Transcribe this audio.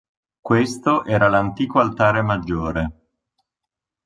Questo era l'antico altare maggiore.